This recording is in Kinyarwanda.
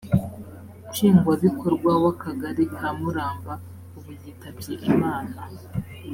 nshingwabikorwa w akagari ka muramba ubu yitabye imana